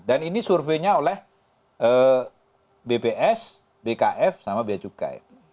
dan ini surveinya oleh bps bkf sama biaya cukai